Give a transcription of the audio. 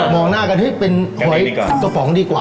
มองหน้ากันเป็นหอยกระป๋องดีกว่า